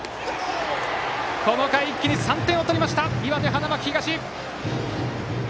この回、一気に３点を取りました岩手・花巻東。